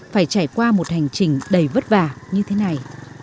phải trải qua một hành trình đầy vất vả như thế này